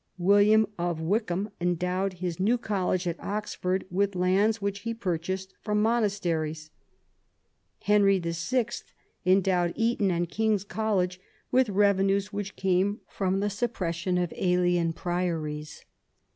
William of Wykeham endowed his New College at Oxford with lands which he purchased from monasteries. Henry VI. endowed Eton and King's College with revenues which came from the sup pression of alien priories.